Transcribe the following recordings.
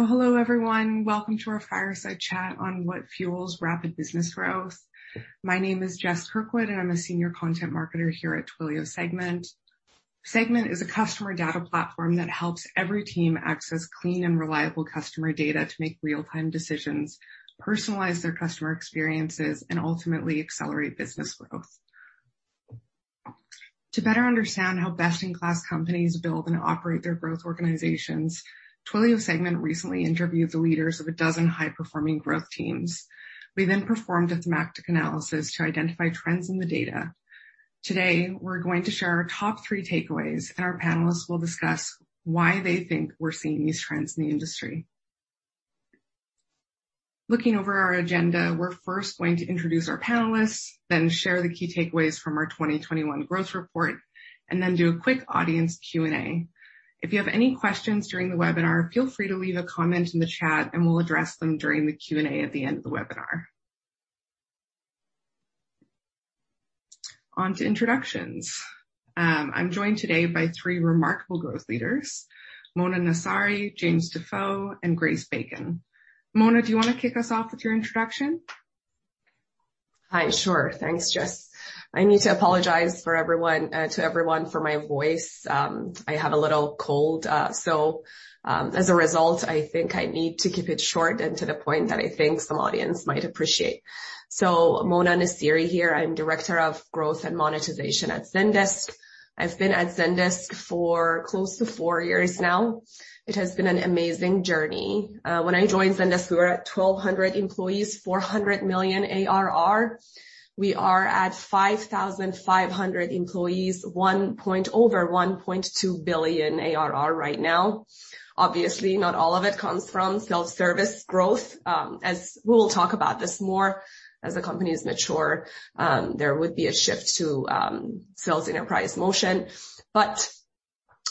Hello everyone. Welcome to our fireside chat on what fuels rapid business growth. My name is Jes Kirkwood, and I'm a Senior Content Marketer here at Twilio Segment. Segment is a customer data platform that helps every team access clean and reliable customer data to make real-time decisions, personalize their customer experiences, and ultimately accelerate business growth. To better understand how best-in-class companies build and operate their growth organizations, Twilio Segment recently interviewed the leaders of a dozen high-performing growth teams. We then performed a thematic analysis to identify trends in the data. Today, we're going to share our top three takeaways, and our panelists will discuss why they think we're seeing these trends in the industry. Looking over our agenda, we're first going to introduce our panelists, then share the key takeaways from our 2021 Growth Report, and then do a quick audience Q&A. If you have any questions during the webinar, feel free to leave a comment in the chat, and we'll address them during the Q&A at the end of the webinar. On to introductions. I'm joined today by three remarkable growth leaders, Mona Nasiri, James de Feu, and Grace Bacon. Mona, do you wanna kick us off with your introduction? Hi. Sure. Thanks, Jes. I need to apologize to everyone for my voice. I have a little cold, so as a result, I think I need to keep it short and to the point that I think some audience might appreciate. Mona Nasiri here. I'm Director of Growth and Monetization at Zendesk. I've been at Zendesk for close to four years now. It has been an amazing journey. When I joined Zendesk, we were at 1,200 employees, $400 million ARR. We are at 5,500 employees, over $1.2 billion ARR right now. Obviously, not all of it comes from self-service growth. As we will talk about this more, as the company has matured, there would be a shift to sales enterprise motion.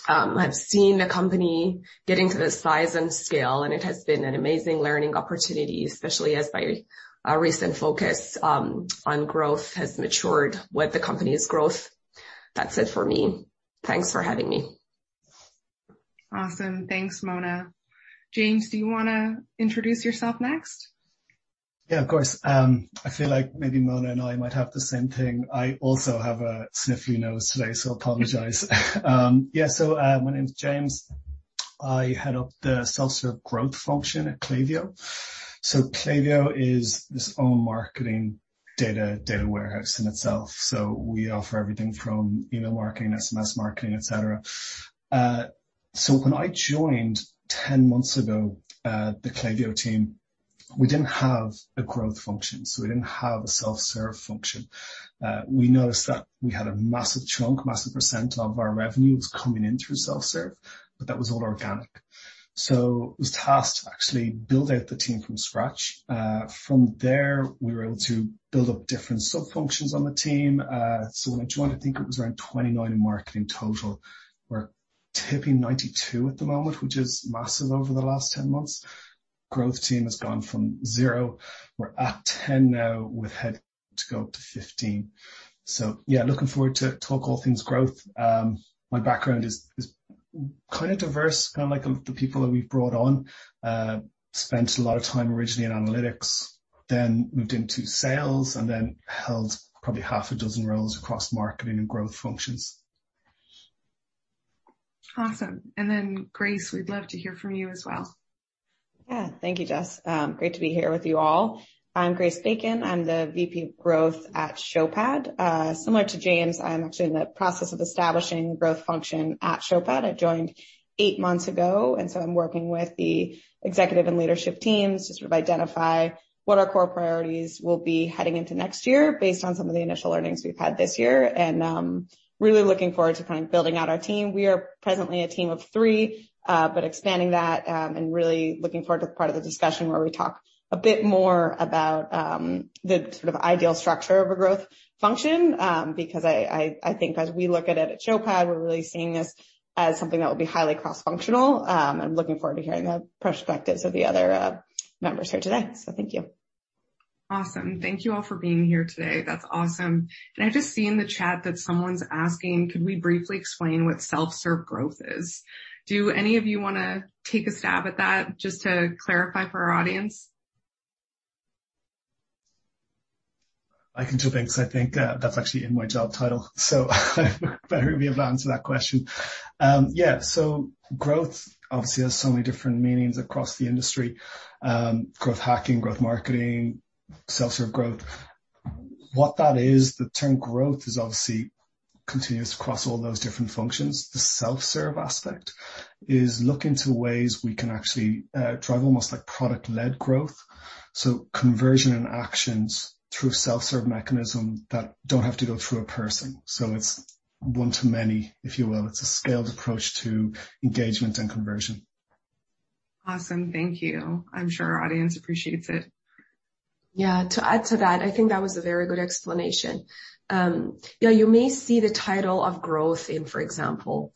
I've seen the company getting to this size and scale, and it has been an amazing learning opportunity, especially as my recent focus on growth has matured with the company's growth. That's it for me. Thanks for having me. Awesome. Thanks, Mona. James, do you wanna introduce yourself next? Yeah, of course. I feel like maybe Mona and I might have the same thing. I also have a sniffly nose today, so I apologize. Yeah, my name is James. I head up the self-serve growth function at Klaviyo. Klaviyo is its own marketing data warehouse in itself, so we offer everything from email marketing, SMS marketing, et cetera. When I joined 10 months ago, the Klaviyo team, we didn't have a growth function. We didn't have a self-serve function. We noticed that we had a massive chunk, massive percent of our revenue was coming in through self-serve, but that was all organic. I was tasked to actually build out the team from scratch. From there, we were able to build up different sub-functions on the team. When I joined, I think it was around 29 in marketing total. We're tipping 92 at the moment, which is massive over the last 10 months. Growth team has gone from zero. We're at 10 now, with headcount to go up to 15. Yeah, looking forward to talk all things growth. My background is kind of diverse, kinda like the people that we've brought on. Spent a lot of time originally in analytics, then moved into sales, and then held probably half a dozen roles across marketing and growth functions. Awesome. Grace, we'd love to hear from you as well. Yeah. Thank you, Jes. Great to be here with you all. I'm Grace Bacon. I'm the VP of Growth at Showpad. Similar to James, I'm actually in the process of establishing growth function at Showpad. I joined eight months ago, so I'm working with the executive and leadership teams to sort of identify what our core priorities will be heading into next year based on some of the initial learnings we've had this year. Really looking forward to kind of building out our team. We are presently a team of three, but expanding that, and really looking forward to the part of the discussion where we talk a bit more about the sort of ideal structure of a growth function, because I think as we look at it at Showpad, we're really seeing this as something that will be highly cross-functional. I'm looking forward to hearing the perspectives of the other members here today. Thank you. Awesome. Thank you all for being here today. That's awesome. I just see in the chat that someone's asking, could we briefly explain what self-serve growth is? Do any of you wanna take a stab at that just to clarify for our audience? I can jump in 'cause I think, that's actually in my job title, so I thought it would be able to answer that question. Yeah, so growth obviously has so many different meanings across the industry. Growth hacking, growth marketing, self-serve growth. What that is, the term growth is obviously continuous across all those different functions. The self-serve aspect is looking to ways we can actually drive almost like product-led growth, so conversion and actions through self-serve mechanism that don't have to go through a person. It's one to many, if you will. It's a scaled approach to engagement and conversion. Awesome. Thank you. I'm sure our audience appreciates it. Yeah. To add to that, I think that was a very good explanation. Yeah, you may see the title of growth in, for example,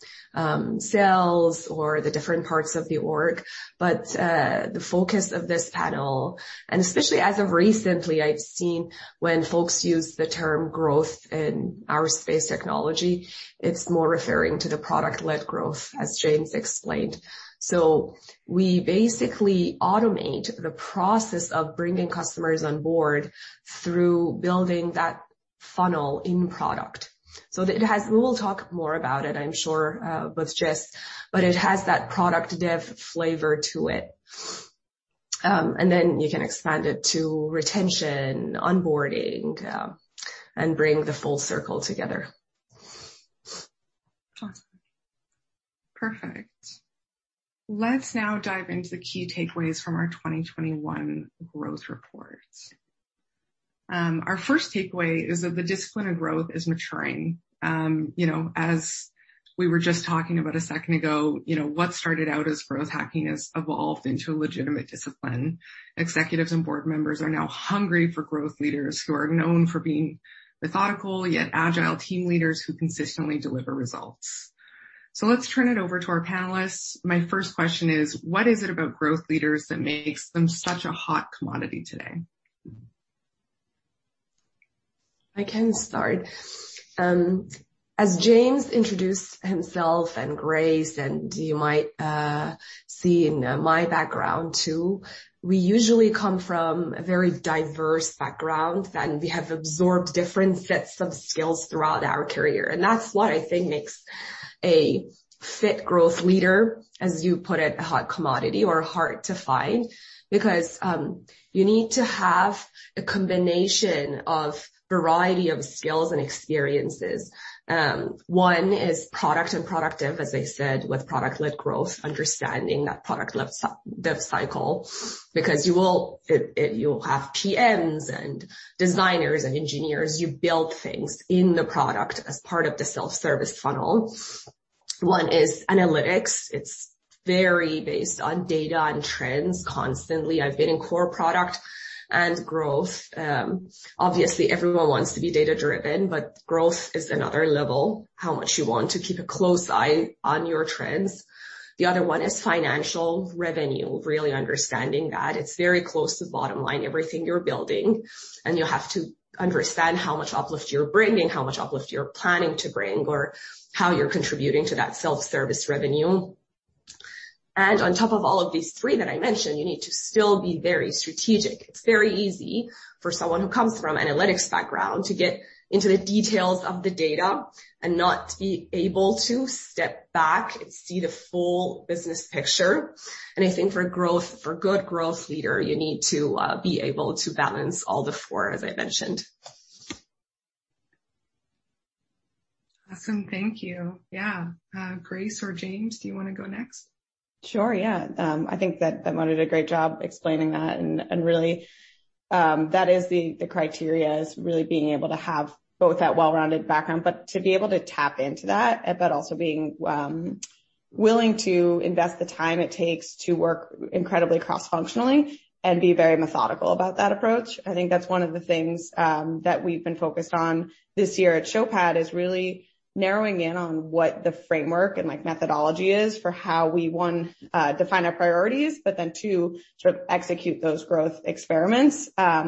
sales or the different parts of the org, but the focus of this panel, and especially as of recently, I've seen when folks use the term growth in our space technology. It's more referring to the product-led growth, as James explained. We basically automate the process of bringing customers on board through building that funnel in product. We'll talk more about it, I'm sure, with Jes, but it has that product dev flavor to it. You can expand it to retention, onboarding, and bring the full circle together. Awesome. Perfect. Let's now dive into the key takeaways from our 2021 growth report. Our first takeaway is that the discipline of growth is maturing. You know, as we were just talking about a second ago, you know, what started out as growth hacking has evolved into a legitimate discipline. Executives and board members are now hungry for growth leaders who are known for being methodical, yet agile team leaders who consistently deliver results. Let's turn it over to our panelists. My first question is: What is it about growth leaders that makes them such a hot commodity today? I can start. As James introduced himself and Grace, and you might see in my background too, we usually come from a very diverse background, and we have absorbed different sets of skills throughout our career. That's what I think makes a fit growth leader, as you put it, a hot commodity or hard to find, because you need to have a combination of variety of skills and experiences. One is product and productivity, as I said, with product-led growth, understanding that product-led dev cycle. You'll have PMs and designers and engineers. You build things in the product as part of the self-service funnel. One is analytics. It's very based on data and trends constantly. I've been in core product and growth. Obviously, everyone wants to be data-driven, but growth is another level, how much you want to keep a close eye on your trends. The other one is financial revenue, really understanding that. It's very close to bottom line, everything you're building, and you have to understand how much uplift you're bringing, how much uplift you're planning to bring, or how you're contributing to that self-service revenue. On top of all of these three that I mentioned, you need to still be very strategic. It's very easy for someone who comes from analytics background to get into the details of the data and not be able to step back and see the full business picture. I think for a good growth leader, you need to be able to balance all the four, as I mentioned. Awesome. Thank you. Yeah. Grace or James, do you wanna go next? Sure, yeah. I think that Mona did a great job explaining that. Really, that is the criteria, is really being able to have both that well-rounded background, but to be able to tap into that, but also being willing to invest the time it takes to work incredibly cross-functionally and be very methodical about that approach. I think that's one of the things that we've been focused on this year at Showpad, is really narrowing in on what the framework and, like, methodology is for how we, one, define our priorities, but then two, sort of execute those growth experiments. How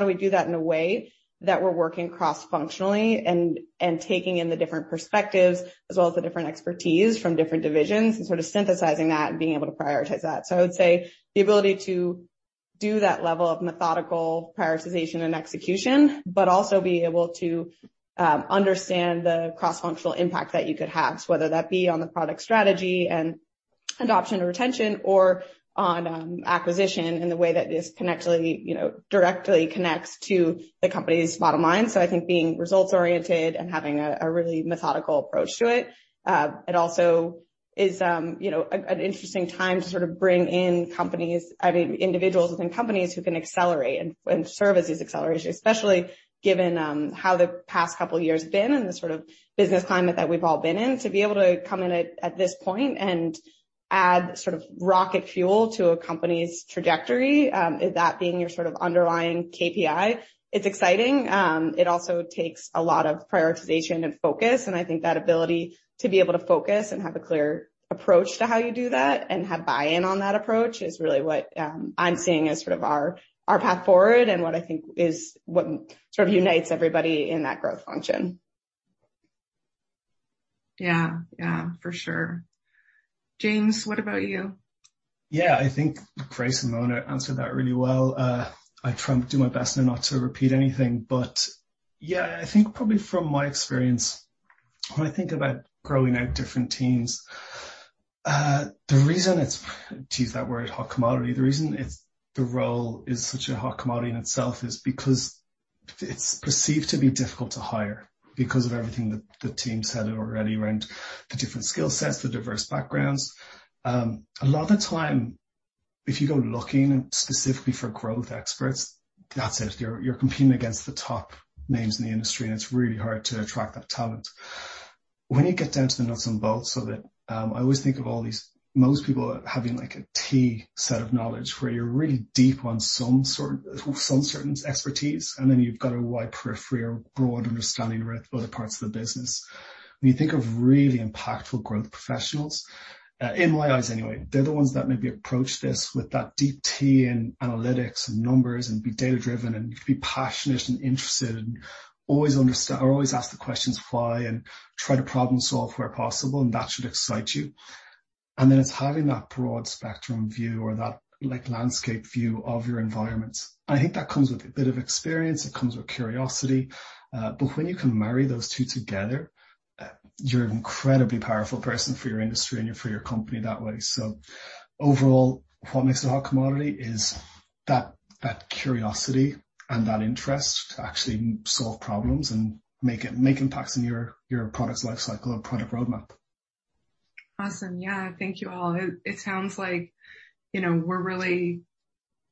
do we do that in a way that we're working cross-functionally and taking in the different perspectives as well as the different expertise from different divisions and sort of synthesizing that and being able to prioritize that. I would say the ability to do that level of methodical prioritization and execution, but also be able to understand the cross-functional impact that you could have, so whether that be on the product strategy and adoption or retention or on acquisition and the way that this connects, you know, directly connects to the company's bottom line. I think being results-oriented and having a really methodical approach to it. It also is, you know, an interesting time to sort of bring in companies. I mean, individuals within companies who can accelerate and serve as these accelerators, especially given how the past couple years have been and the sort of business climate that we've all been in. To be able to come in at this point and add sort of rocket fuel to a company's trajectory, that being your sort of underlying KPI, it's exciting. It also takes a lot of prioritization and focus, and I think that ability to be able to focus and have a clear approach to how you do that and have buy-in on that approach is really what I'm seeing as sort of our path forward and what I think is what sort of unites everybody in that growth function. Yeah. Yeah, for sure. James, what about you? Yeah. I think Grace and Mona answered that really well. I try and do my best not to repeat anything, but yeah, I think probably from my experience, when I think about growing out different teams, the reason the role is such a hot commodity in itself is because it's perceived to be difficult to hire because of everything that the team said already around the different skill sets, the diverse backgrounds. A lot of time, if you go looking specifically for growth experts, that's it. You're competing against the top names in the industry, and it's really hard to attract that talent. When you get down to the nuts and bolts of it, I always think of all these. Most people having, like, a T set of knowledge, where you're really deep on some certain expertise, and then you've got a wide periphery or broad understanding around other parts of the business. When you think of really impactful growth professionals, in my eyes anyway, they're the ones that maybe approach this with that deep T in analytics and numbers and be data-driven, and you can be passionate and interested and always ask the questions why and try to problem solve where possible, and that should excite you. It's having that broad spectrum view or that like landscape view of your environment. I think that comes with a bit of experience, it comes with curiosity. When you can marry those two together, you're an incredibly powerful person for your industry and for your company that way. Overall, what makes a hot commodity is that curiosity and that interest to actually solve problems and make impacts in your product's life cycle or product roadmap. Awesome. Yeah. Thank you all. It sounds like, you know, we're really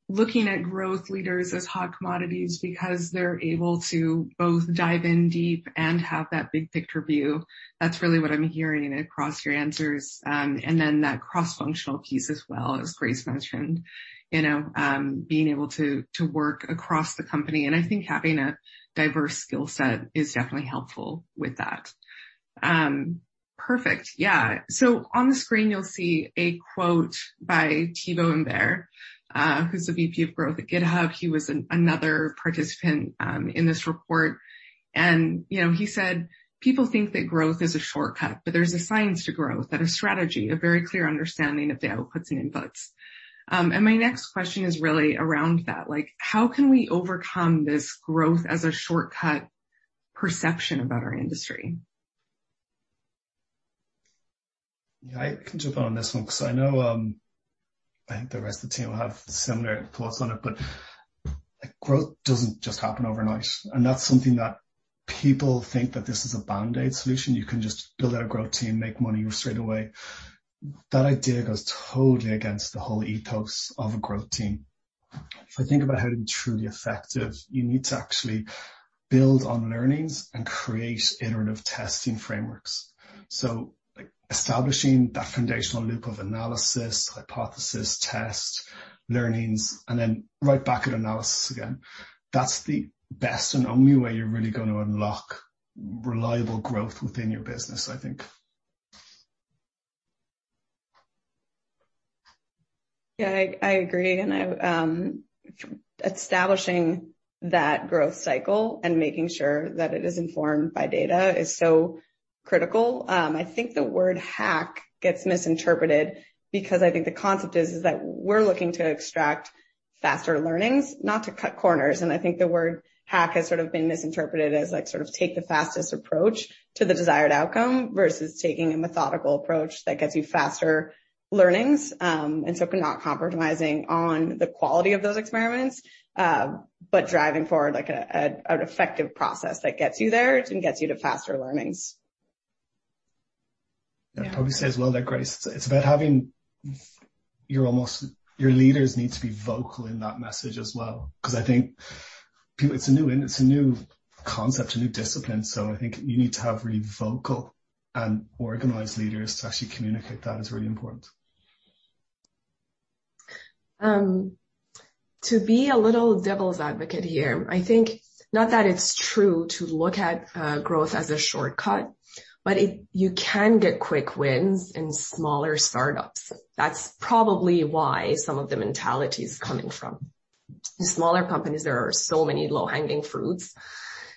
looking at growth leaders as hot commodities because they're able to both dive in deep and have that big picture view. That's really what I'm hearing across your answers. That cross-functional piece as well, as Grace mentioned. You know, being able to work across the company, and I think having a diverse skill set is definitely helpful with that. Perfect. Yeah. On the screen, you'll see a quote by Thibaut Imbert, who's the VP of Growth at GitHub. He was another participant in this report. You know, he said, "People think that growth is a shortcut, but there's a science to growth and a strategy, a very clear understanding of the outputs and inputs." My next question is really around that. Like, how can we overcome this growth as a shortcut perception about our industry? Yeah. I can jump on this one 'cause I know, I think the rest of the team will have similar thoughts on it, but growth doesn't just happen overnight, and that's something that people think that this is a band-aid solution. You can just build out a growth team, make money straight away. That idea goes totally against the whole ethos of a growth team. If I think about how to be truly effective, you need to actually build on learnings and create iterative testing frameworks. Establishing that foundational loop of analysis, hypothesis, test, learnings, and then right back at analysis again, that's the best and only way you're really gonna unlock reliable growth within your business, I think. Yeah, I agree. Establishing that growth cycle and making sure that it is informed by data is so critical. I think the word hack gets misinterpreted because I think the concept is that we're looking to extract faster learnings, not to cut corners. I think the word hack has sort of been misinterpreted as, like, sort of take the fastest approach to the desired outcome versus taking a methodical approach that gets you faster learnings, not compromising on the quality of those experiments, but driving forward like an effective process that gets you there and gets you to faster learnings. Yeah. Yeah. I would probably say as well there, Grace, it's about having your leaders need to be vocal in that message as well, 'cause I think it's a new concept, a new discipline, so I think you need to have really vocal and organized leaders to actually communicate that. It's really important. To be a little devil's advocate here, I think, not that it's true to look at growth as a shortcut, but you can get quick wins in smaller startups. That's probably why some of the mentality is coming from. In smaller companies, there are so many low-hanging fruits,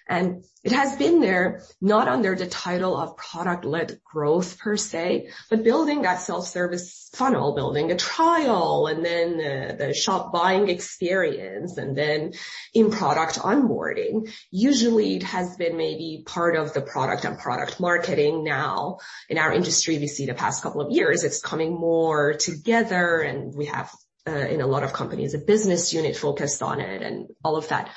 and it has been there not under the title of product-led growth per se, but building that self-service funnel, building a trial and then the self-buying experience and then in product onboarding. Usually, it has been maybe part of the product and product marketing now. In our industry, we see the past couple of years, it's coming more together and we have in a lot of companies, a business unit focused on it and all of that.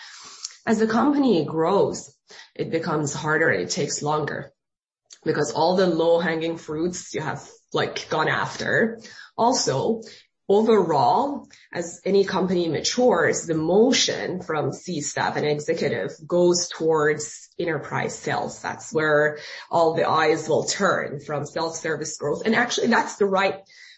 As the company grows, it becomes harder and it takes longer because all the low-hanging fruits you have, like, gone after. Also, overall, as any company matures, the motion from C-suite and executive goes towards enterprise sales. That's where all the eyes will turn from self-service growth. Actually, that's the right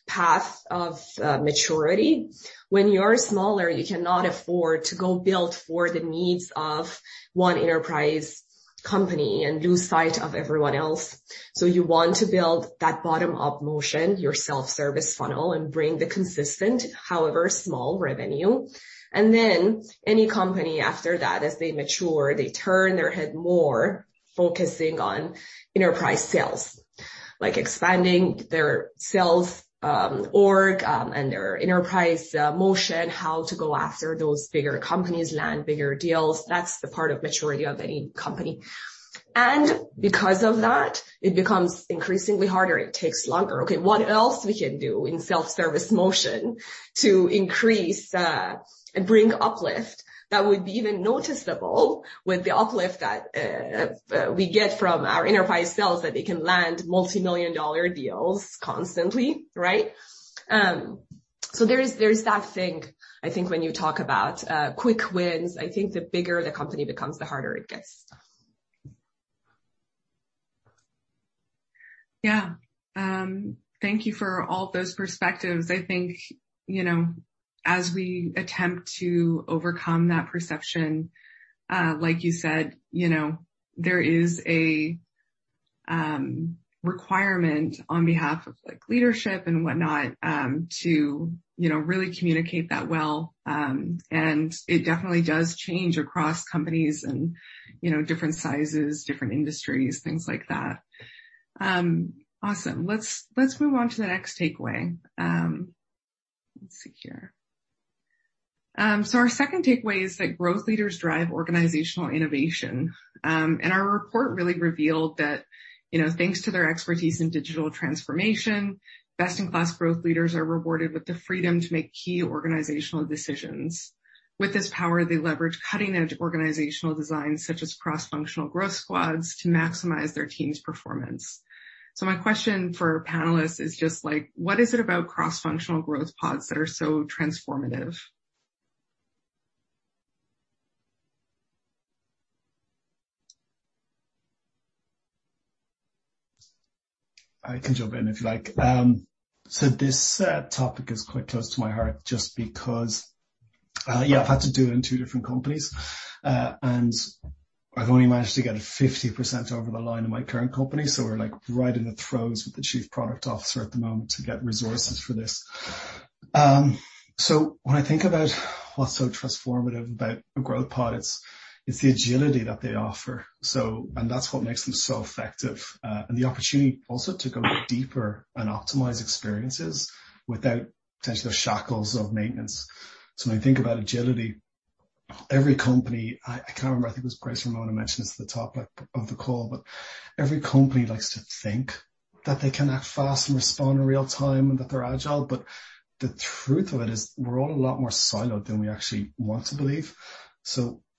path of maturity. When you're smaller, you cannot afford to go build for the needs of one enterprise company and lose sight of everyone else. You want to build that bottom-up motion, your self-service funnel, and bring the consistent, however small, revenue. Then any company after that, as they mature, they turn their head more, focusing on enterprise sales, like expanding their sales, org, and their enterprise motion, how to go after those bigger companies, land bigger deals. That's the part of maturity of any company. Because of that, it becomes increasingly harder. It takes longer. Okay, what else we can do in self-service motion to increase, and bring uplift that would be even noticeable with the uplift that, we get from our enterprise sales that they can land multimillion-dollar deals constantly, right? There is that thing, I think, when you talk about, quick wins. I think the bigger the company becomes, the harder it gets. Yeah. Thank you for all those perspectives. I think, you know, as we attempt to overcome that perception, like you said, you know, there is a requirement on behalf of like leadership and whatnot, to, you know, really communicate that well. It definitely does change across companies and, you know, different sizes, different industries, things like that. Awesome. Let's move on to the next takeaway. Our second takeaway is that growth leaders drive organizational innovation. Our report really revealed that, you know, thanks to their expertise in digital transformation, best-in-class growth leaders are rewarded with the freedom to make key organizational decisions. With this power, they leverage cutting-edge organizational designs such as cross-functional growth squads to maximize their team's performance. My question for panelists is just like, what is it about cross-functional growth pods that are so transformative? I can jump in if you like. This topic is quite close to my heart just because, yeah, I've had to do it in two different companies. I've only managed to get 50% over the line in my current company, so we're like, right in the throes with the Chief Product Officer at the moment to get resources for this. When I think about what's so transformative about a growth pod, it's the agility that they offer. That's what makes them so effective, and the opportunity also to go deeper and optimize experiences without potential shackles of maintenance. When I think about agility, every company, I can't remember, I think it was Grace or Mona mentioned this at the top, like, of the call, but every company likes to think that they can act fast and respond in real time and that they're agile, but the truth of it is we're all a lot more siloed than we actually want to believe.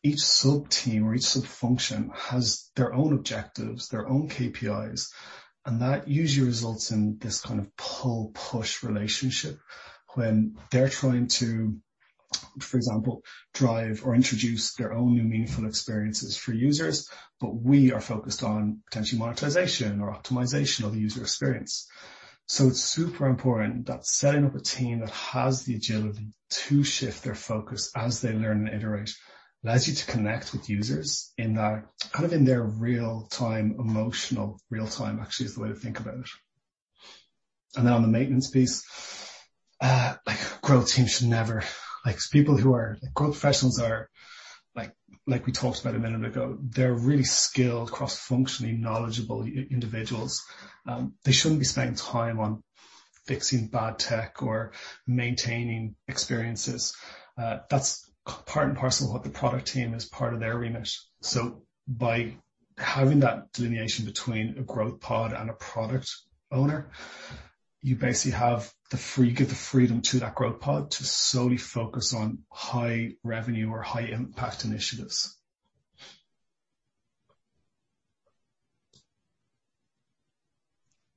Each sub-team or each sub-function has their own objectives, their own KPIs, and that usually results in this kind of pull-push relationship when they're trying to, for example, drive or introduce their own new meaningful experiences for users, but we are focused on potential monetization or optimization of the user experience. It's super important that setting up a team that has the agility to shift their focus as they learn and iterate allows you to connect with users in that kind of in their real-time, emotional real-time, actually, is the way to think about it. On the maintenance piece, like growth teams should never, like growth professionals are like we talked about a minute ago, they're really skilled, cross-functionally knowledgeable individuals. They shouldn't be spending time on fixing bad tech or maintaining experiences. That's part and parcel of what the product team is part of their remit. By having that delineation between a growth pod and a product owner, you basically give the freedom to that growth pod to solely focus on high revenue or high impact initiatives.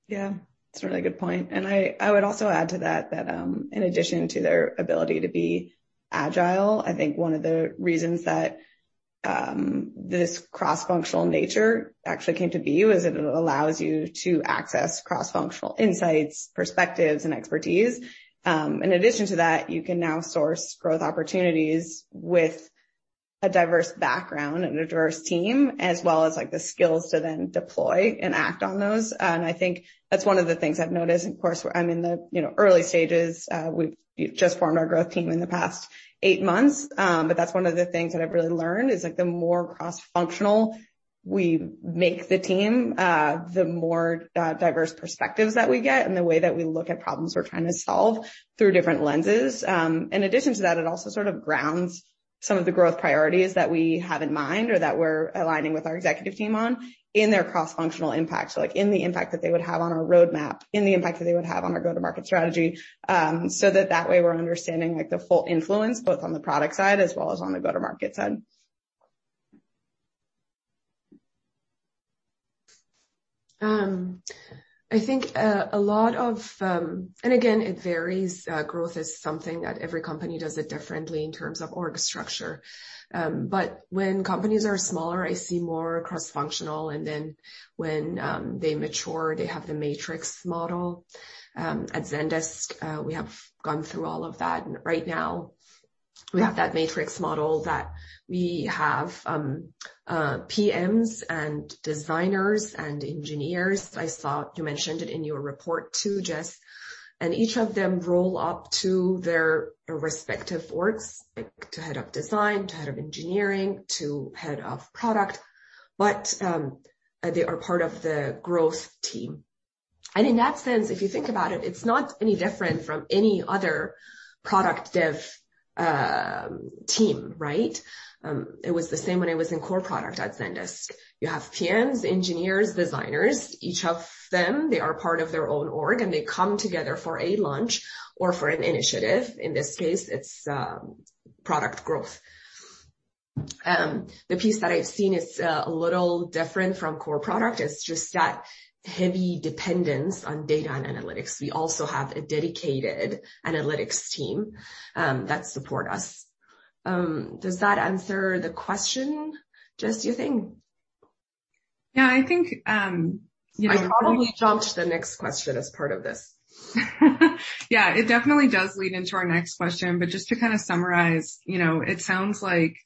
Yeah, that's a really good point. I would also add to that that in addition to their ability to be agile, I think one of the reasons that this cross-functional nature actually came to be was it allows you to access cross-functional insights, perspectives, and expertise. In addition to that, you can now source growth opportunities with a diverse background and a diverse team, as well as like the skills to then deploy and act on those. I think that's one of the things I've noticed. Of course, I'm in the, you know, early stages. We've just formed our growth team in the past eight months. That's one of the things that I've really learned is like the more cross-functional we make the team, the more diverse perspectives that we get and the way that we look at problems we're trying to solve through different lenses. In addition to that, it also sort of grounds some of the growth priorities that we have in mind or that we're aligning with our executive team on in their cross-functional impact. Like in the impact that they would have on our roadmap, in the impact that they would have on our go-to-market strategy, so that way we're understanding like the full influence both on the product side as well as on the go-to-market side. I think and again, it varies. Growth is something that every company does it differently in terms of org structure. When companies are smaller, I see more cross-functional, and then when they mature, they have the matrix model. At Zendesk, we have gone through all of that, and right now we have that matrix model that we have PMs and designers and engineers. I saw you mentioned it in your report too, Jes. Each of them roll up to their respective orgs, like to head of design, to head of engineering, to head of product. They are part of the growth team. In that sense, if you think about it's not any different from any other product dev team, right? It was the same when I was in core product at Zendesk. You have PMs, engineers, designers, each of them, they are part of their own org, and they come together for a launch or for an initiative. In this case, it's product growth. The piece that I've seen is a little different from core product. It's just that heavy dependence on data and analytics. We also have a dedicated analytics team that support us. Does that answer the question, Jes, do you think? Yeah, I think you know. I probably jumped the next question as part of this. Yeah, it definitely does lead into our next question. Just to kinda summarize, you know, it sounds like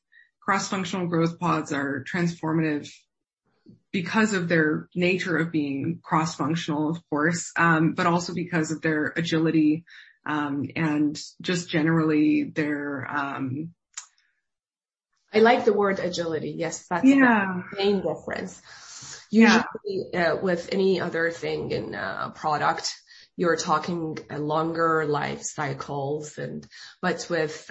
cross-functional growth pods are transformative because of their nature of being cross-functional, of course, but also because of their agility, and just generally their I like the word agility. Yes, that's. Yeah the main difference. Yeah. Usually, with any other thing in a product, you're talking longer life cycles and with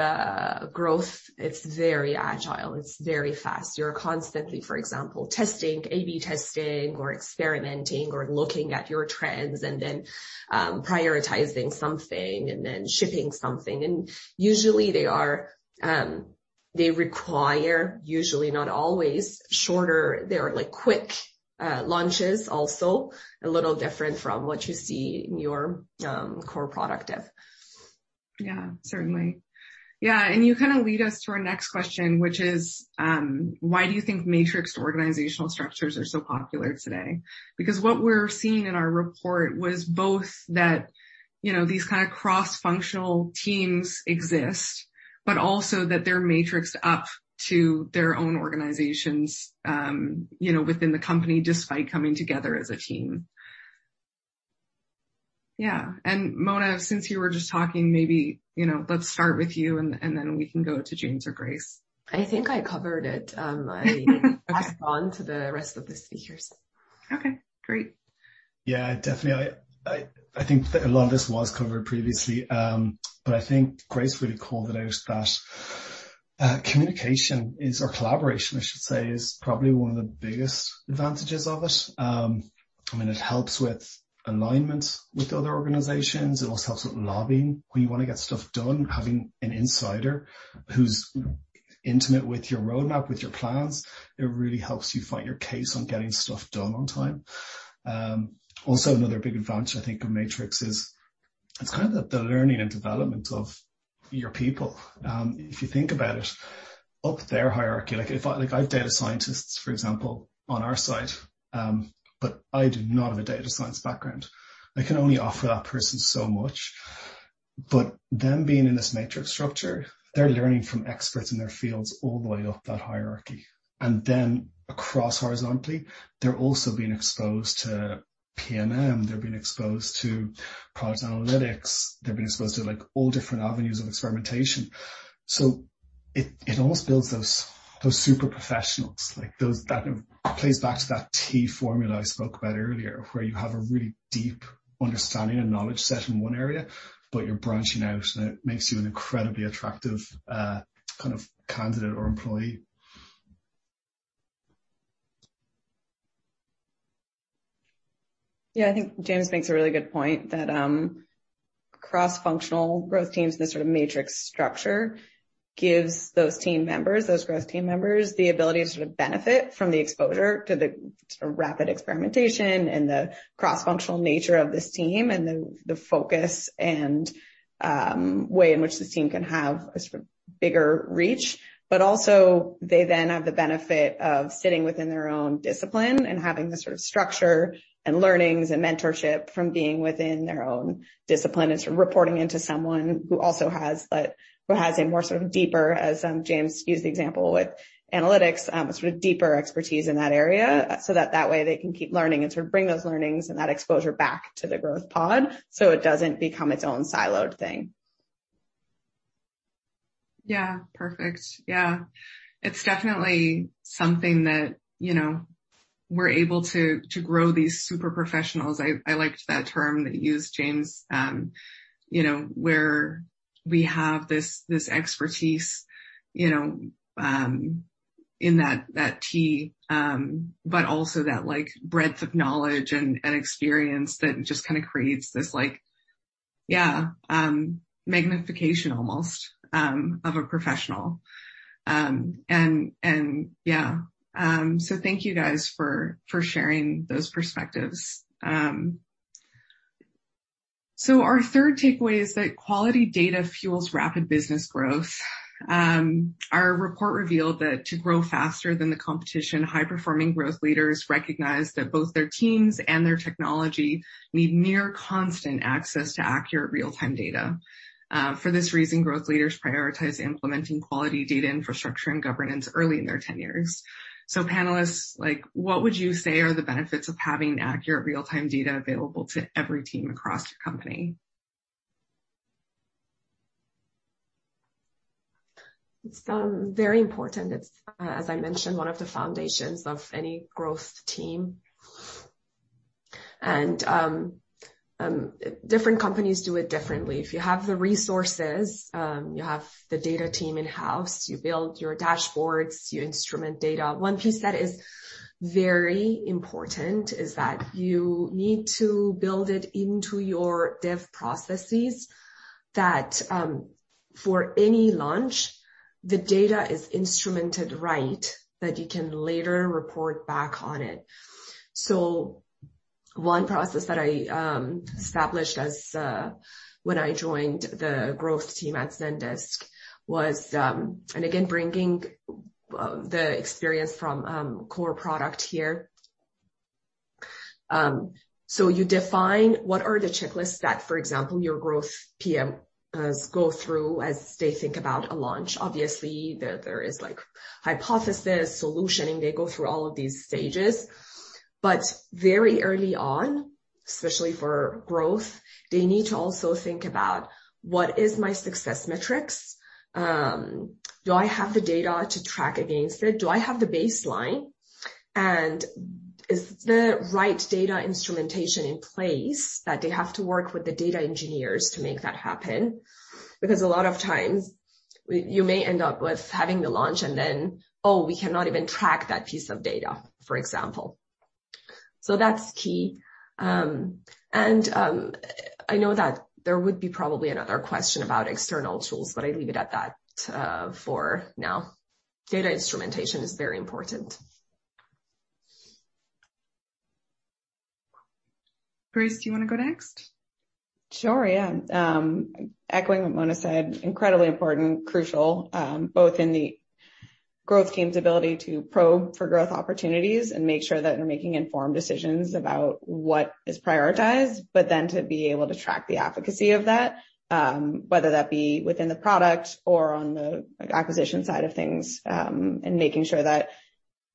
growth, it's very agile, it's very fast. You're constantly, for example, testing, A/B testing or experimenting or looking at your trends and then prioritizing something and then shipping something. Usually they are, they require, usually not always, shorter. They're like quick launches also, a little different from what you see in your core product of. Yeah, certainly. Yeah. You kinda lead us to our next question, which is why do you think matrix organizational structures are so popular today? Because what we're seeing in our report was both that, you know, these kinda cross-functional teams exist, but also that they're matrixed up to their own organizations, you know, within the company, despite coming together as a team. Yeah. Mona, since you were just talking, maybe, you know, let's start with you and then we can go to James or Grace. I think I covered it. I pass it on to the rest of the speakers. Okay, great. Yeah, definitely. I think that a lot of this was covered previously, but I think Grace really called it out that communication is, or collaboration I should say, is probably one of the biggest advantages of it. I mean, it helps with alignment with other organizations. It also helps with lobbying. When you wanna get stuff done, having an insider who's intimate with your roadmap, with your plans, it really helps you fight your case on getting stuff done on time. Also another big advantage I think of matrix is, it's kind of the learning and development of your people. If you think about it, up their hierarchy, like if I have data scientists, for example, on our side, but I do not have a data science background. I can only offer that person so much. Them being in this matrix structure, they're learning from experts in their fields all the way up that hierarchy. Across horizontally, they're also being exposed to PNM, they're being exposed to product analytics, they're being exposed to like all different avenues of experimentation. It almost builds those super professionals, like those. That plays back to that T formula I spoke about earlier, where you have a really deep understanding and knowledge set in one area, but you're branching out, and it makes you an incredibly attractive kind of candidate or employee. Yeah. I think James makes a really good point that, cross-functional growth teams and this sort of matrix structure gives those team members, those growth team members, the ability to sort of benefit from the exposure to the sort of rapid experimentation and the cross-functional nature of this team, and the focus and way in which this team can have a sort of bigger reach. They then have the benefit of sitting within their own discipline and having the sort of structure and learnings and mentorship from being within their own discipline, and sort of reporting into someone who also has that, who has a more sort of deeper, as James used the example with analytics, a sort of deeper expertise in that area, so that way they can keep learning and sort of bring those learnings and that exposure back to the growth pod, so it doesn't become its own siloed thing. Yeah. Perfect. Yeah. It's definitely something that, you know, we're able to grow these super professionals. I liked that term that you used, James, you know, where we have this expertise, you know, in that T, but also that like breadth of knowledge and experience that just kinda creates this like, yeah, magnification almost, of a professional. And yeah. Thank you guys for sharing those perspectives. Our third takeaway is that quality data fuels rapid business growth. Our report revealed that to grow faster than the competition, high-performing growth leaders recognize that both their teams and their technology need near constant access to accurate real-time data. For this reason, growth leaders prioritize implementing quality data infrastructure and governance early in their tenures. Panelists, like, what would you say are the benefits of having accurate real-time data available to every team across the company? It's very important. It's, as I mentioned, one of the foundations of any growth team. Different companies do it differently. If you have the resources, you have the data team in-house, you build your dashboards, you instrument data. One piece that is very important is that you need to build it into your dev processes that, for any launch, the data is instrumented right, that you can later report back on it. One process that I established as when I joined the growth team at Zendesk was. Again, bringing the experience from core product here. You define what are the checklists that, for example, your growth PMs go through as they think about a launch. Obviously, there is like hypothesis, solutioning. They go through all of these stages. Very early on, especially for growth, they need to also think about what is my success metrics? Do I have the data to track against it? Do I have the baseline? Is the right data instrumentation in place that they have to work with the data engineers to make that happen? Because a lot of times you may end up with having the launch and then, oh, we cannot even track that piece of data, for example. That's key. I know that there would be probably another question about external tools, but I leave it at that for now. Data instrumentation is very important. Grace, do you wanna go next? Sure, yeah. Echoing what Mona said, incredibly important, crucial, both in the growth team's ability to probe for growth opportunities and make sure that they're making informed decisions about what is prioritized, but then to be able to track the efficacy of that, whether that be within the product or on the acquisition side of things, and making sure that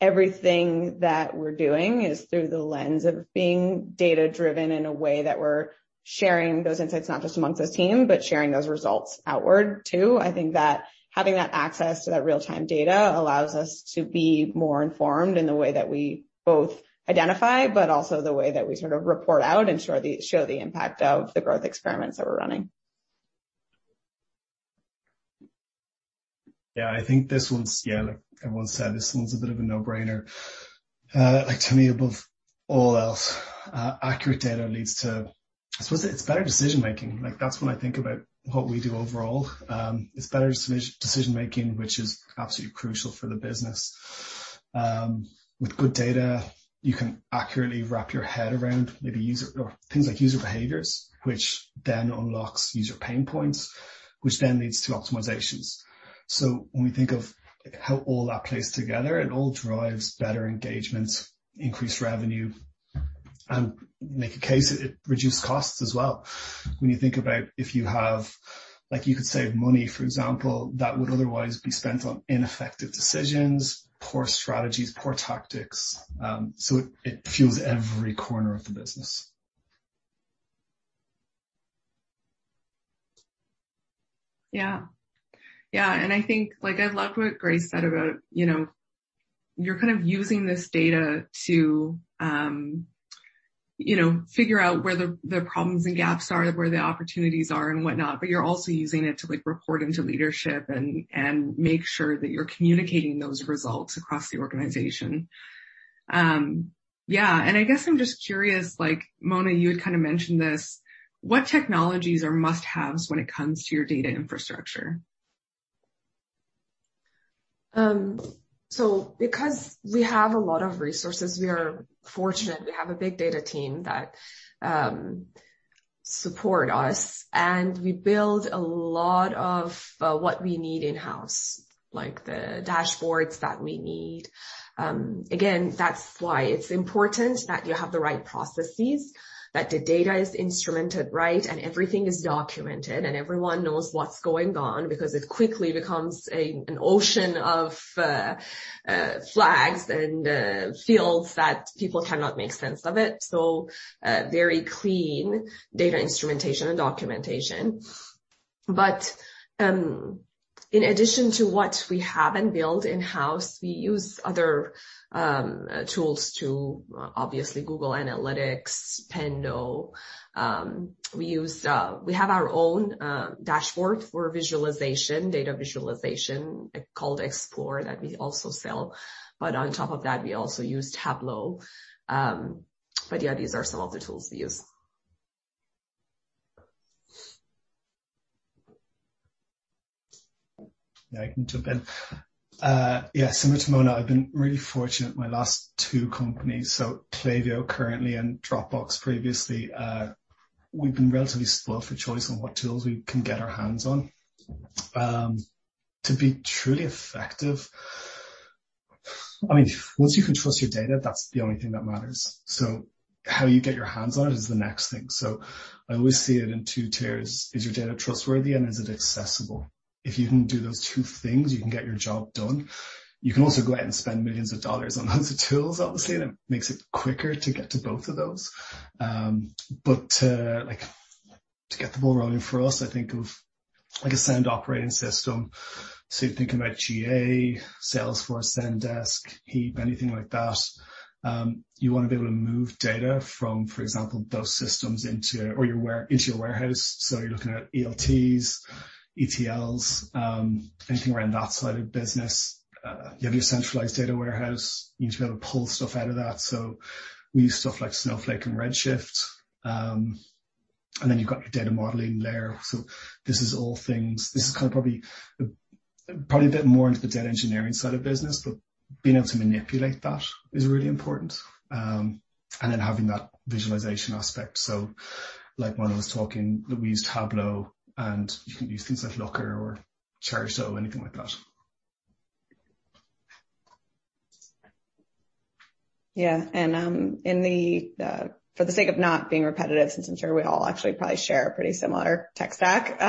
everything that we're doing is through the lens of being data-driven in a way that we're sharing those insights, not just amongst this team, but sharing those results outward too. I think that having that access to that real-time data allows us to be more informed in the way that we both identify, but also the way that we sort of report out and show the impact of the growth experiments that we're running. Yeah. I think this one's like everyone said, a bit of a no-brainer. Like to me, above all else, accurate data leads to better decision-making. Like, that's when I think about what we do overall. It's better decision-making, which is absolutely crucial for the business. With good data, you can accurately wrap your head around maybe user or things like user behaviors, which then unlocks user pain points, which then leads to optimizations. When we think of how all that plays together, it all drives better engagement, increased revenue, and you make a case it reduced costs as well. When you think about if you have like you could save money, for example, that would otherwise be spent on ineffective decisions, poor strategies, poor tactics, so it fuels every corner of the business. Yeah. Yeah, I think, like I loved what Grace said about, you know, you're kind of using this data to, you know, figure out where the problems and gaps are, where the opportunities are and whatnot, but you're also using it to like, report into leadership and make sure that you're communicating those results across the organization. Yeah, I guess I'm just curious, like Mona, you had kinda mentioned this, what technologies are must-haves when it comes to your data infrastructure? Because we have a lot of resources, we are fortunate. We have a big data team that support us, and we build a lot of what we need in-house, like the dashboards that we need. Again, that's why it's important that you have the right processes, that the data is instrumented right, and everything is documented and everyone knows what's going on because it quickly becomes an ocean of flags and fields that people cannot make sense of it, very clean data instrumentation and documentation. In addition to what we have and build in-house, we use other tools too, obviously Google Analytics, Pendo. We have our own dashboard for visualization, data visualization called Explore that we also sell. On top of that, we also use Tableau. Yeah, these are some of the tools we use. Yeah, I can jump in. Yeah, similar to Mona, I've been really fortunate my last two companies, so Klaviyo currently and Dropbox previously, we've been relatively spoiled for choice on what tools we can get our hands on. To be truly effective, I mean, once you can trust your data, that's the only thing that matters. How you get your hands on it is the next thing. I always see it in two tiers, is your data trustworthy and is it accessible? If you can do those two things, you can get your job done. You can also go out and spend millions of dollars on loads of tools, obviously, and it makes it quicker to get to both of those. To like, to get the ball rolling for us, I think of like a central operating system. You're thinking about GA, Salesforce, Zendesk, Heap, anything like that. You wanna be able to move data from, for example, those systems into your warehouse. You're looking at ELTs, ETLs, anything around that side of the business. You have your centralized data warehouse. You need to be able to pull stuff out of that. We use stuff like Snowflake and Redshift. Then you've got your data modeling layer. This is all things kinda probably a bit more into the data engineering side of business, but being able to manipulate that is really important. Having that visualization aspect. Like when I was talking, we use Tableau, and you can use things like Looker or Chartio, anything like that. Yeah. For the sake of not being repetitive, since I'm sure we all actually probably share a pretty similar tech stack,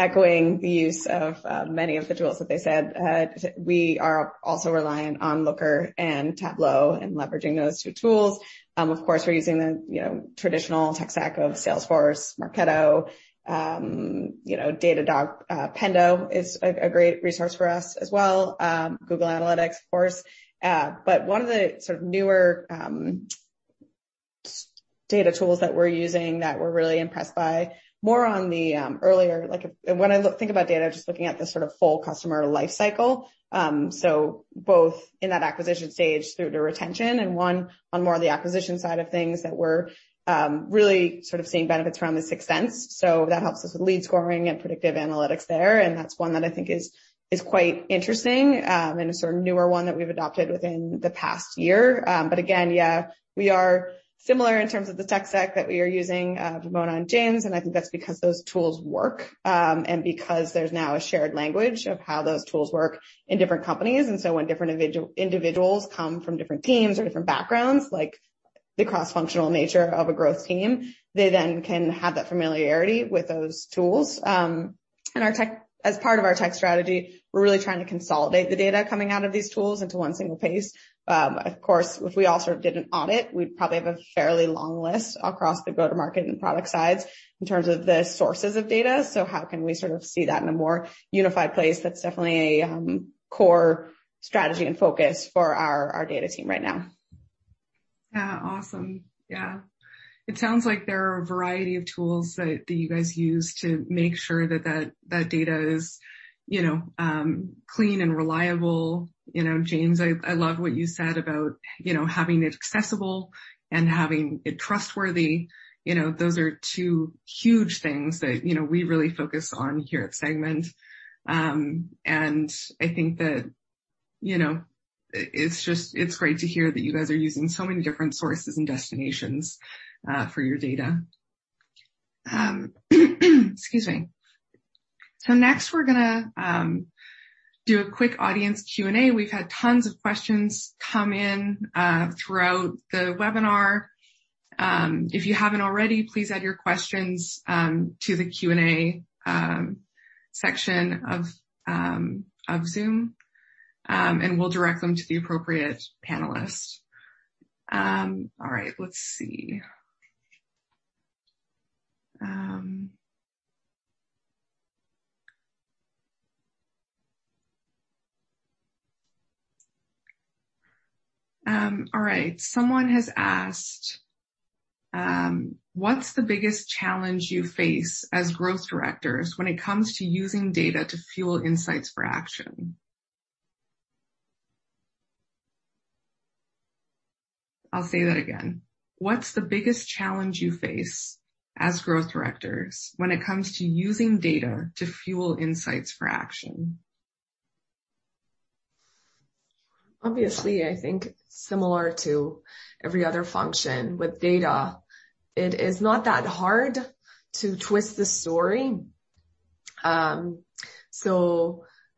echoing the use of many of the tools that they said, we are also reliant on Looker and Tableau and leveraging those two tools. Of course, we're using the you know traditional tech stack of Salesforce, Marketo, you know Datadog. Pendo is a great resource for us as well. Google Analytics, of course. But one of the sort of newer data tools that we're using that we're really impressed by more on the earlier, like if... When I think about data, just looking at the sort of full customer life cycle, so both in that acquisition stage through to retention, and one on more of the acquisition side of things that we're really sort of seeing benefits around the 6sense, so that helps us with lead scoring and predictive analytics there, and that's one that I think is quite interesting, and a sort of newer one that we've adopted within the past year. But again, yeah, we are similar in terms of the tech stack that we are using to Mona and James, and I think that's because those tools work, and because there's now a shared language of how those tools work in different companies. When different individuals come from different teams or different backgrounds, like the cross-functional nature of a growth team, they then can have that familiarity with those tools. As part of our tech strategy, we're really trying to consolidate the data coming out of these tools into one single place. Of course, if we all sort of did an audit, we'd probably have a fairly long list across the go-to-market and product sides in terms of the sources of data. How can we sort of see that in a more unified place? That's definitely a core strategy and focus for our data team right now. Yeah. Awesome. Yeah. It sounds like there are a variety of tools that you guys use to make sure that data is, you know, clean and reliable. You know, James, I love what you said about, you know, having it accessible and having it trustworthy. You know, those are two huge things that, you know, we really focus on here at Segment. I think that, you know, it's just, it's great to hear that you guys are using so many different sources and destinations for your data. Excuse me. Next we're gonna do a quick audience Q&A. We've had tons of questions come in throughout the webinar. If you haven't already, please add your questions to the Q&A section of Zoom, and we'll direct them to the appropriate panelist. All right. Let's see. All right. Someone has asked, "What's the biggest challenge you face as growth directors when it comes to using data to fuel insights for action?" I'll say that again. "What's the biggest challenge you face as growth directors when it comes to using data to fuel insights for action? Obviously, I think similar to every other function with data, it is not that hard to twist the story.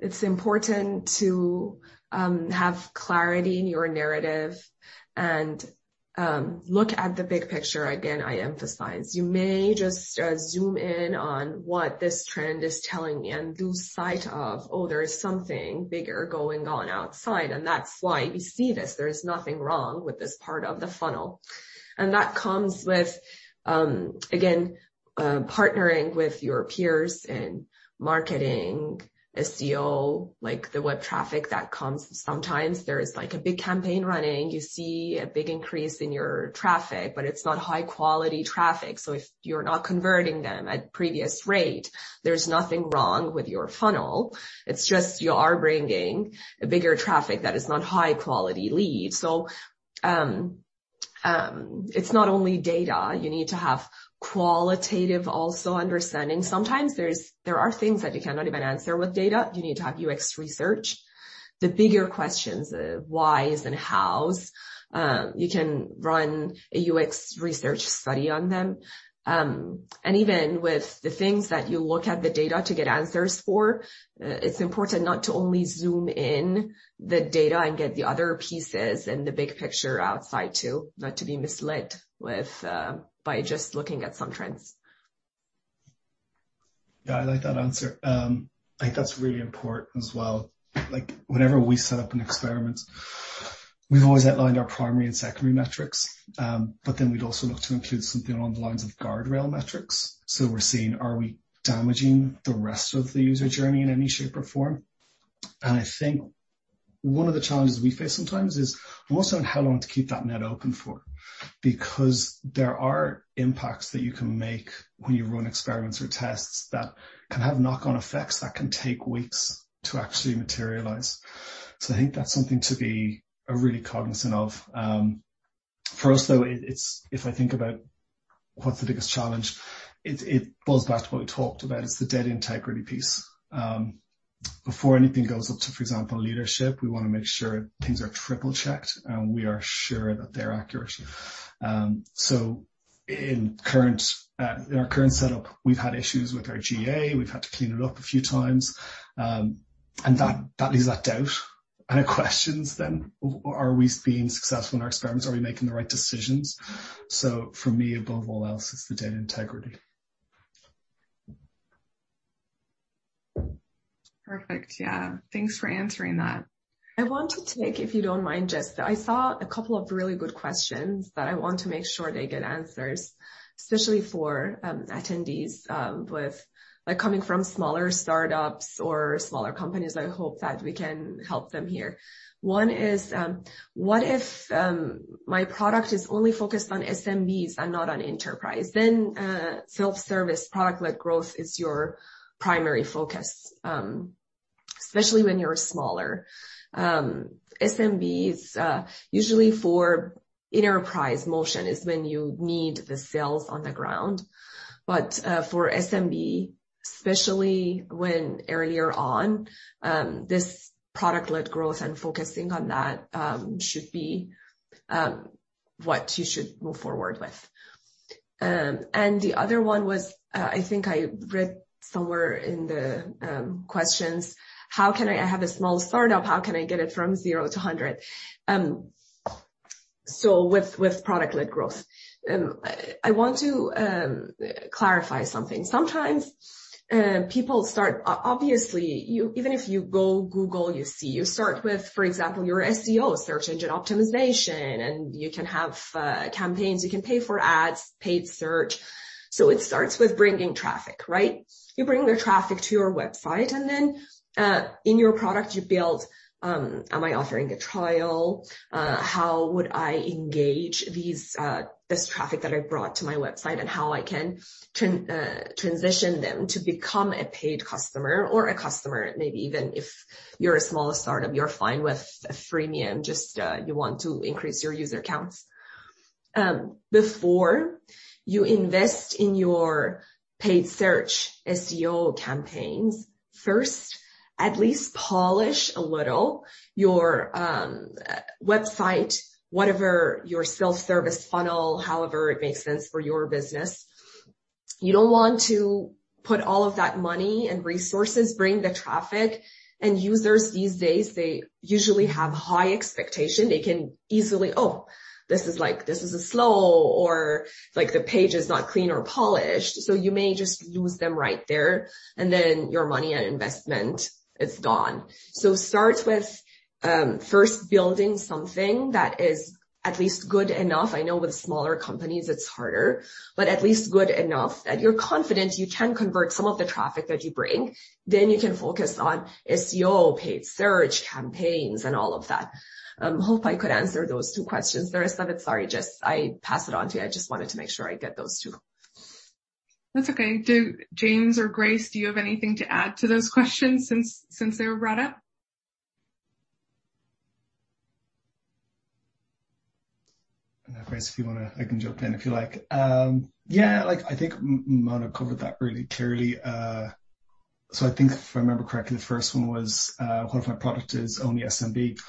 It's important to have clarity in your narrative and look at the big picture, again, I emphasize. You may just zoom in on what this trend is telling me and lose sight of, oh, there is something bigger going on outside, and that's why we see this. There is nothing wrong with this part of the funnel. That comes with partnering with your peers in marketing, SEO, like the web traffic that comes. Sometimes there is like a big campaign running. You see a big increase in your traffic, but it's not high quality traffic, so if you're not converting them at previous rate, there's nothing wrong with your funnel. It's just you are bringing a bigger traffic that is not high quality leads. It's not only data. You need to have qualitative also understanding. Sometimes there are things that you cannot even answer with data. You need to have UX research. The bigger questions, the whys and hows, you can run a UX research study on them. Even with the things that you look at the data to get answers for, it's important not to only zoom in the data and get the other pieces and the big picture outside too, not to be misled by just looking at some trends. Yeah, I like that answer. I think that's really important as well. Like, whenever we set up an experiment, we've always outlined our primary and secondary metrics, but then we'd also look to include something along the lines of guardrail metrics. We're seeing are we damaging the rest of the user journey in any shape or form. I think one of the challenges we face sometimes is more so on how long to keep that net open for because there are impacts that you can make when you run experiments or tests that can have knock-on effects that can take weeks to actually materialize. I think that's something to be really cognizant of. For us, though, it's if I think about what's the biggest challenge, it boils back to what we talked about. It's the data integrity piece. Before anything goes up to, for example, leadership, we wanna make sure things are triple-checked, and we are sure that they're accurate. In our current setup, we've had issues with our GA. We've had to clean it up a few times. That leaves that doubt and questions then, are we being successful in our experiments? Are we making the right decisions? For me, above all else, it's the data integrity. Perfect. Yeah. Thanks for answering that. I want to take, if you don't mind, Jes. I saw a couple of really good questions that I want to make sure they get answers, especially for attendees, with like coming from smaller startups or smaller companies. I hope that we can help them here. One is, what if my product is only focused on SMBs and not on enterprise? Self-service product-led growth is your primary focus, especially when you're smaller. SMB is usually for enterprise motion is when you need the sales on the ground. For SMB, especially when earlier on, this product-led growth and focusing on that should be what you should move forward with. The other one was, I think I read somewhere in the questions, how can I... I have a small startup, how can I get it from 0 to 100? With product-led growth. I want to clarify something. Sometimes, people obviously, you, even if you go Google, you see. You start with, for example, your SEO, search engine optimization, and you can have campaigns. You can pay for ads, paid search. It starts with bringing traffic, right? You bring the traffic to your website, and then, in your product, you build, am I offering a trial? How would I engage these, this traffic that I brought to my website, and how I can transition them to become a paid customer or a customer, maybe even if you're a smaller startup, you're fine with a freemium, just, you want to increase your user counts. Before you invest in your paid search SEO campaigns, first, at least polish a little your website, whatever your self-service funnel, however it makes sense for your business. You don't want to put all of that money and resources, bring the traffic, and users these days, they usually have high expectation. They can easily, "Oh, this is like, this is slow," or like the page is not clean or polished. You may just lose them right there. Your money and investment is gone. Start with, first building something that is at least good enough. I know with smaller companies it's harder, but at least good enough that you're confident you can convert some of the traffic that you bring. You can focus on SEO, paid search campaigns, and all of that. Hope I could answer those two questions. There are some that, sorry, Jes, I pass it on to you. I just wanted to make sure I get those two. That's okay. Do James or Grace, do you have anything to add to those questions since they were brought up? No, Grace, if you wanna, I can jump in if you like. Yeah, like I think Mona covered that really clearly. So I think if I remember correctly, the first one was what if my product is only SMB?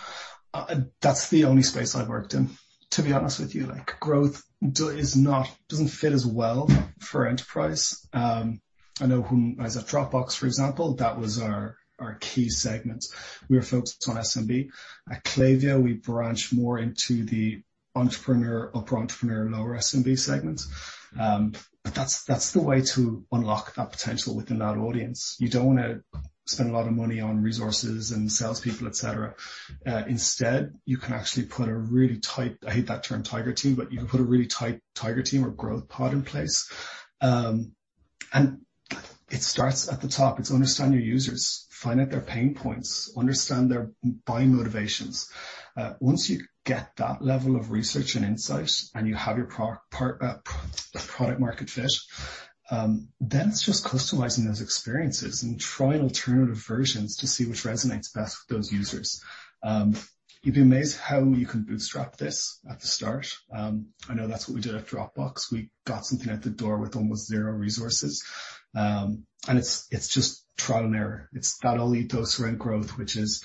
That's the only space I've worked in, to be honest with you. Like, growth doesn't fit as well for enterprise. I know when I was at Dropbox, for example, that was our key segment. We were focused on SMB. At Klaviyo, we branch more into the entrepreneur, upper entrepreneur, lower SMB segments. But that's the way to unlock that potential within that audience. You don't wanna spend a lot of money on resources and salespeople, et cetera. Instead, you can actually put a really tight, I hate that term, tiger team, but you can put a really tight tiger team or growth pod in place. It starts at the top. It's to understand your users, find out their pain points, understand their buying motivations. Once you get that level of research and insight, and you have your product market fit, then it's just customizing those experiences and trying alternative versions to see which resonates best with those users. You'd be amazed how you can bootstrap this at the start. I know that's what we did at Dropbox. We got something out the door with almost zero resources. It's just trial and error. It's that elite dose around growth, which is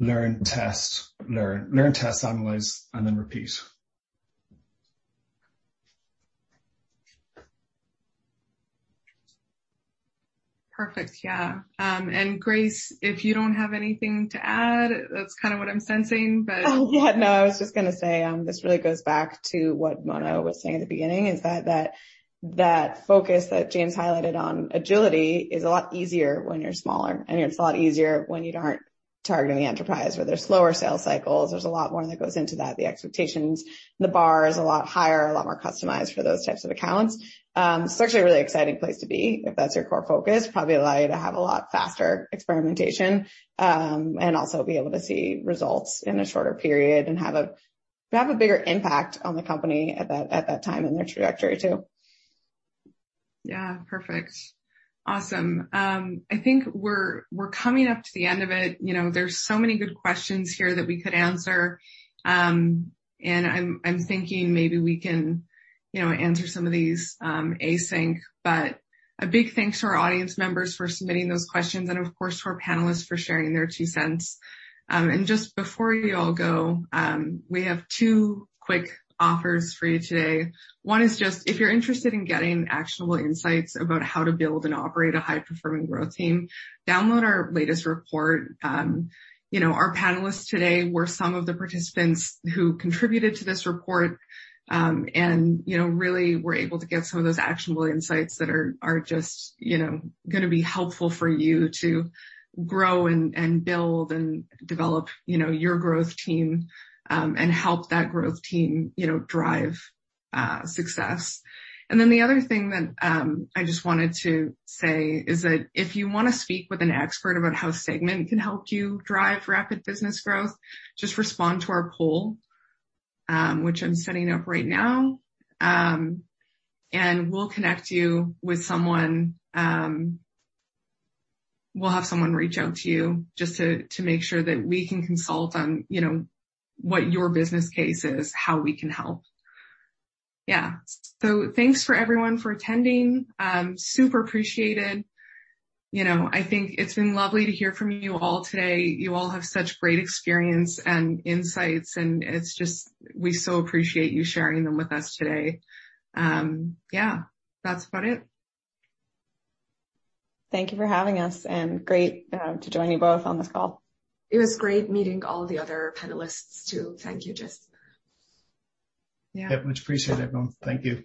learn, test, learn. Learn, test, analyze, and then repeat. Perfect. Yeah. Grace, if you don't have anything to add, that's kinda what I'm sensing, but- Oh, yeah. No, I was just gonna say, this really goes back to what Mona was saying in the beginning, is that focus that James highlighted on agility is a lot easier when you're smaller, and it's a lot easier when you aren't targeting enterprise, where there's slower sales cycles. There's a lot more that goes into that. The expectations, the bar is a lot higher, a lot more customized for those types of accounts. It's actually a really exciting place to be, if that's your core focus. Probably allow you to have a lot faster experimentation, and also be able to see results in a shorter period and have a bigger impact on the company at that time in their trajectory too. Yeah. Perfect. Awesome. I think we're coming up to the end of it. You know, there's so many good questions here that we could answer. I'm thinking maybe we can, you know, answer some of these, async. A big thanks to our audience members for submitting those questions and, of course, to our panelists for sharing their two cents. Just before you all go, we have two quick offers for you today. One is just if you're interested in getting actionable insights about how to build and operate a high-performing growth team, download our latest report. You know, our panelists today were some of the participants who contributed to this report. You know, really were able to get some of those actionable insights that are just, you know, gonna be helpful for you to grow and build and develop, you know, your growth team, and help that growth team, you know, drive success. Then the other thing that I just wanted to say is that if you wanna speak with an expert about how Segment can help you drive rapid business growth, just respond to our poll, which I'm setting up right now, and we'll connect you with someone. We'll have someone reach out to you just to make sure that we can consult on, you know, what your business case is, how we can help. Yeah. Thanks for everyone for attending. Super appreciated. You know, I think it's been lovely to hear from you all today. You all have such great experience and insights, and it's just we so appreciate you sharing them with us today. Yeah, that's about it. Thank you for having us, and great to join you both on this call. It was great meeting all the other panelists too. Thank you, Jes. Yeah. Yeah. Much appreciated, everyone. Thank you.